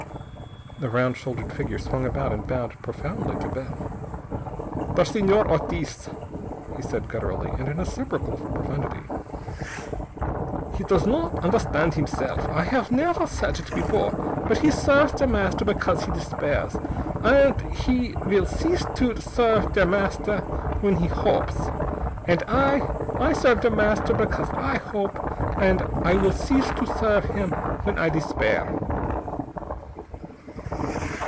The round shouldered figure swung about and bowed profoundly to Bell. "Der Señor Ortiz," he said gutturally, and in a sepulchral profundity, "he does not understand himself. I haff nefer said it before. But he serfs Der Master because he despairs, andt he will cease to serf Der Master when he hopes. And I I serf Der Master because I hope, andt I will cease to serf him when I despair."